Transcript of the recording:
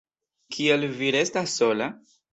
Kial vi restas sola?